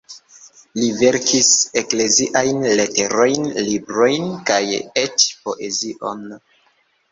Li verkis ekleziajn leterojn, librojn kaj eĉ poezion.